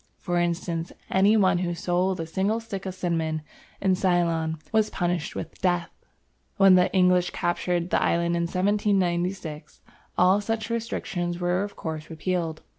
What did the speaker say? For instance, any one who sold a single stick of cinnamon in Ceylon was punished with death. When the English captured the island in 1796, all such restrictions were of course repealed.